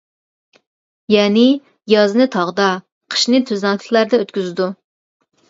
يەنى يازنى تاغدا، قىشنى تۈزلەڭلىكلەردە ئۆتكۈزىدۇ.